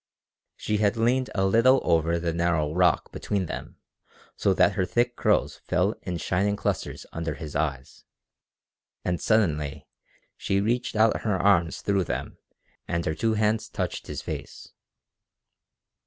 She had leaned a little over the narrow rock between them so that her thick curls fell in shining clusters under his eyes, and suddenly she reached out her arms through them and her two hands touched his face.